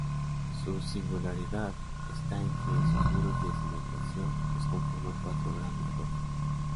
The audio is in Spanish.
Su singularidad está en que sus muros de cimentación los conforman cuatro grandes rocas.